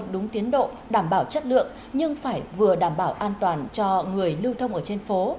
để đảm bảo chất lượng nhưng phải vừa đảm bảo an toàn cho người lưu thông ở trên phố